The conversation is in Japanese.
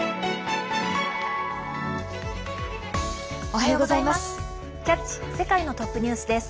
おはようございます。